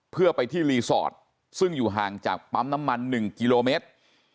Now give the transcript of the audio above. เพื่อไปที่รีสอร์ทซึ่งอยู่ห่างจากปั๊มน้ำมัน๑กิโลเมตร